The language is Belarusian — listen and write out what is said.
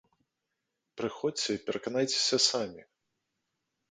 Прыходзьце і пераканайцеся самі!